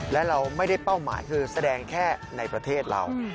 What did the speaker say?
และเราไม่ได้เป้าหมายคือแสดงแค่ในประเทศเรา